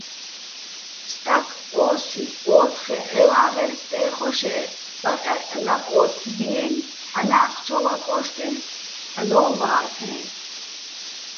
სტაკ ო́სი ო́თხე ჺევაღერ სტე́ხოშ-ე́ ბაყეჸ, ლაპ ოთთბიენი̆ ჵანა́ხჩოვ აკოშკენ, ჰ̦ალო́ ვალეჼ.